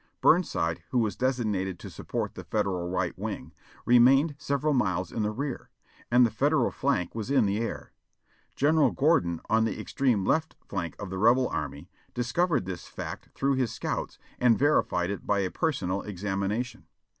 Burnside. who was designated to support the Federal right wing, remained several miles in the rear, and the Federal flank was in the air. General Gordon, on the extreme left flank of the Rebel army, discovered this fact through his scouts, and verified it by a per sonal examination.